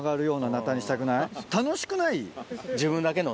楽しくない？